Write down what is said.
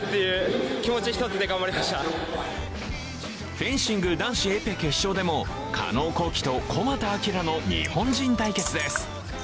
フェンシング男子エペ決勝でも加納虹輝と小俣聖の日本人対決です。